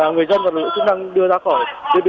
người dân và lực lượng thương năng đưa ra khỏi